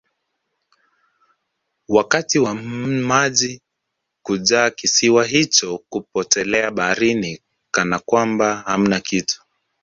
wakati wa maji kujaa kisiwa hicho hupotelea baharini Kana kwamba hamna kitu